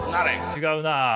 違うな。